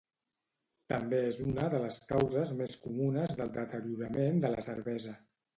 També és una de les causes més comunes del deteriorament de la cervesa.